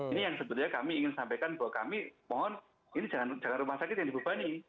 ini yang sebenarnya kami ingin sampaikan bahwa kami mohon ini jangan rumah sakit yang dibebani